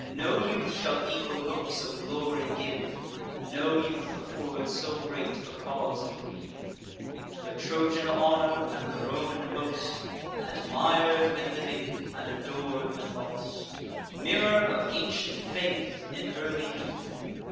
No youth shall equal hopes of glory give, No youth afford so great a cause to grieve; The Trojan honour, and the Roman boast, Admir'd when living, and ador'd when lost! Mirror of ancient faith in early youth!